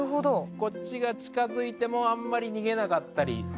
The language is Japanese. こっちが近づいてもあんまり逃げなかったり。